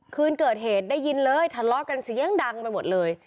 คืนเกิดเหตุได้ยินเลยทะเลาะกันเสียงดังไปหมดเลย